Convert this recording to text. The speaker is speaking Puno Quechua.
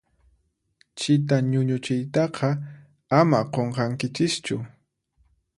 Chita ñuñuchiytaqa ama qunqankichischu.